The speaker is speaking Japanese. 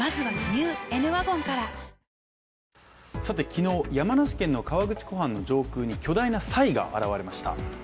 昨日、山梨県の河口湖畔の上空に巨大なサイが現れました。